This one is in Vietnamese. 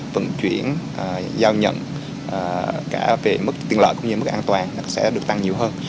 vận chuyển giao nhận cả về mức tiện lợi cũng như mức an toàn sẽ được tăng nhiều hơn